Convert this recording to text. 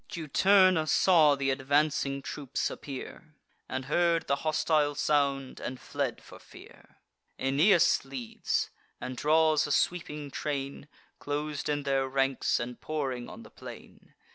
Juturna saw th' advancing troops appear, And heard the hostile sound, and fled for fear. Aeneas leads; and draws a sweeping train, Clos'd in their ranks, and pouring on the plain.